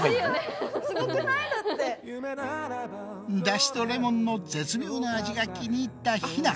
ダシとレモンの絶妙な味が気に入ったひな。